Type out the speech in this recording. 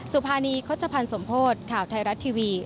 สุภานีโคจภัณฑ์สมโภตข่าวไทยรัตน์ทีวี